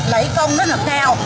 lấy công rất là cao